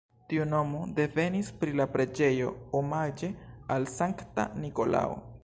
Tiu nomo devenis pri la preĝejo omaĝe al Sankta Nikolao.